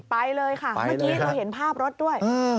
ไปเลยค่ะเมื่อกี้เราเห็นภาพรถด้วย